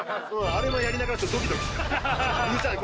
あれもやりながらちょっとドキドキしたみちおちゃん